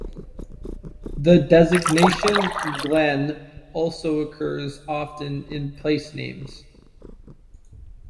The designation "glen" also occurs often in place names.